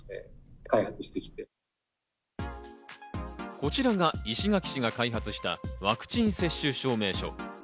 こちらが石垣市が開発したワクチン接種証明書。